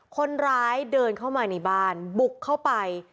คนร้ายเดินเข้ามาในบ้านบุกเข้าไป